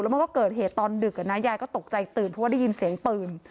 มันก็เกิดเหตุตอนดึกยายก็ตกใจตื่นเพราะว่าได้ยินเสียงปืน